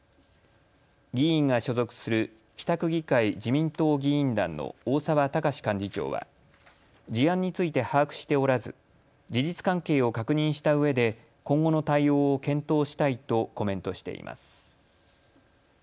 議員が所属する北区議会自民党議員団の大澤敬幹事長は事案について把握しておらず事実関係を確認したうえで今後の対応を検討したいとコメントしています。